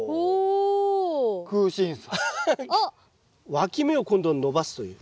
わき芽を今度伸ばすという。